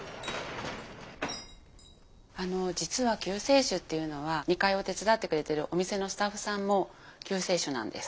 あの実は救世主っていうのは２階を手伝ってくれてるお店のスタッフさんも救世主なんです。